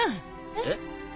えっ？